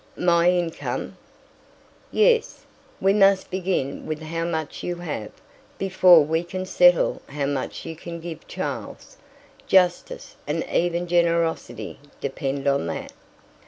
"My income?" "Yes. We must begin with how much you have, before we can settle how much you can give Charles. Justice, and even generosity, depend on that."